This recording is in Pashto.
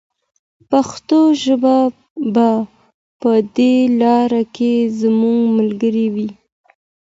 پښتو ژبه به په دې لاره کې زموږ ملګرې وي.